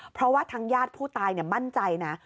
เพราะว่าทางญาติผู้ตายมั่นใจนะ